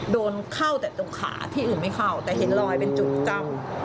โดนเข้าแต่ตรงขาที่อื่นไม่เข้าแต่เห็นรอยเป็นจุกจำ